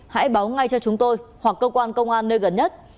hãy báo ngay cho chúng tôi hoặc cơ quan công an nơi gần nhất